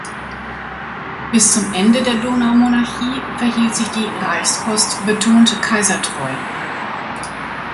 Bis zum Ende der Donaumonarchie verhielt sich die "Reichspost" betont kaisertreu.